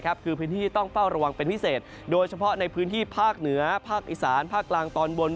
คือพื้นที่ที่ต้องเฝ้าระวังเป็นพิเศษโดยเฉพาะในพื้นที่ภาคเหนือภาคอีสานภาคกลางตอนบน